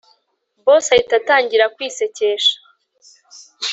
boss ahita atangira kwisekesha